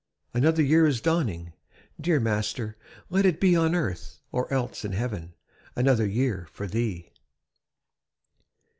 Another year is dawning! Dear Master, let it be On earth, or else in heaven, Another year for Thee!